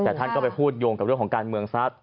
แต่ท่านก็ไปพูดโยงกับเรื่องของการเมืองทรัพย